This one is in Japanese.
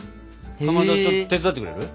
かまどちょっと手伝ってくれる？